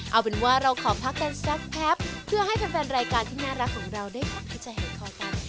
เอาเป็นว่าเราขอพักกันสักแพบเพื่อให้แฟนรายการที่น่ารักของเราได้พักที่จะเห็นคอกัน